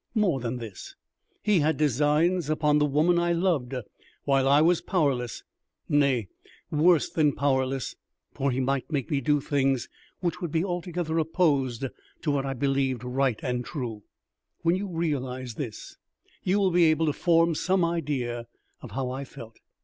More than this, he had designs upon the woman I loved, while I was powerless, nay, worse than powerless, for he might make me do things which would be altogether opposed to what I believed right and true. When you realize this, you will be able to form some idea of how I felt.